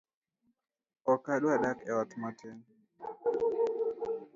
Ok adwa dak e ot matin